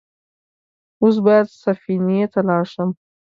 اوس بايد سفينې ته لاړ شم.